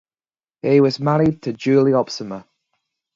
He was married to Julie Opsomer.